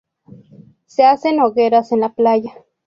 Se hacen hogueras en la playa.